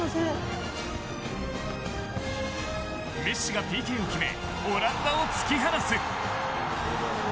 メッシがＰＫを決めオランダを突き放す。